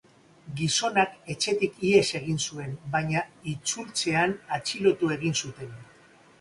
Gizonak etxetik ihes egin zuen baina itzultzean atxilotu egin zuten.